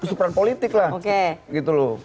kesuperan politik lah gitu loh